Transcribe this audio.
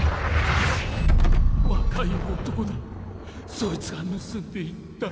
若い男だそいつが盗んでいった